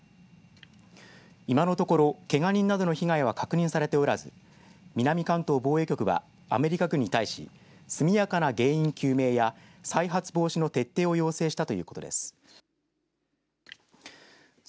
今のところ、けが人などの被害は確認されておらず南関東防衛局はアメリカ軍に対し速やかな原因究明や再発防止の徹底を要請したということです。